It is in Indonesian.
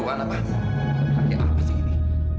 wana pak pakai apa sih ini